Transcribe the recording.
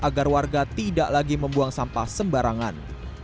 agar warga tidak lagi membuang sampah sembarangan